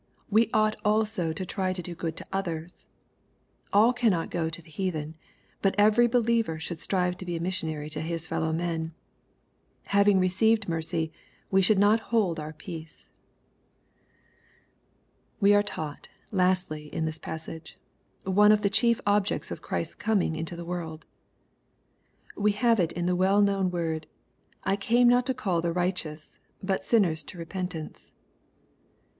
We ought also to try to do good to others. All cannot go to the heathen, but every believer should strive to be a missionary to his fellow men. Having received mercy, we should not hold our peace. We are taught, lastly, in this passage, ow6 of the chief olyecis of Chrisfs coming into the world. We have it in the well known world, " I came not to call the righteous, but sinners to repentance."